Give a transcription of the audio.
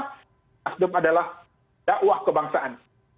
nasdem adalah dawah kebangsaan